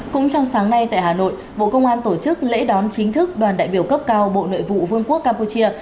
cũng trong sáng nay tại hà nội bộ công an tổ chức lễ đón chính thức đoàn đại biểu cấp cao bộ nội vụ vương quốc campuchia